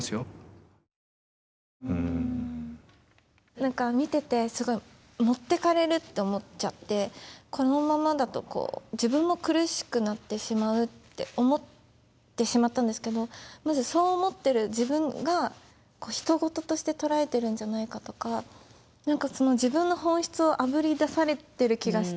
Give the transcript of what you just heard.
何か見ててすごい持ってかれるって思っちゃってこのままだと自分も苦しくなってしまうって思ってしまったんですけどまずそう思ってる自分がひと事として捉えてるんじゃないかとか何かその自分の本質をあぶり出されてる気がして。